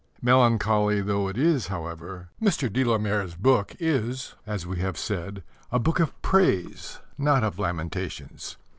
Melancholy though it is, however, Mr. de la Mare's book is, as we have said, a book of praise, not of lamentations.